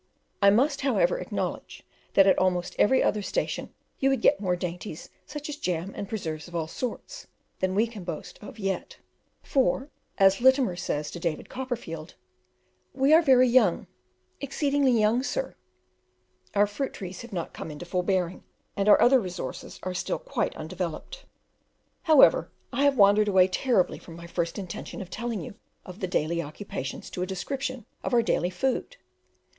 I must, however, acknowledge, that at almost every other station you would get more dainties, such as jam and preserves of all sorts, than we can boast of yet; for, as Littimer says to David Copperfield, "We are very young, exceedingly young, sir," our fruit trees, have not come into full bearing, and our other resources are still quite undeveloped. However, I have wandered away terribly from my first intention of telling you of the daily occupations to a description of our daily food.